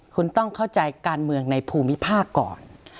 คุณต้องเข้าใจการเมืองในภูมิภาคก่อน